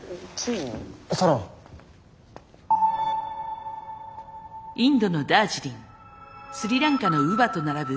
インドのダージリンスリランカのウヴァと並ぶ